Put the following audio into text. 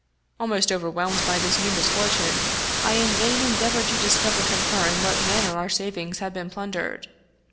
Almost overwhelmed by this new misfortune, I in vain endeavored to discover from her in what manner our savings had been plundered.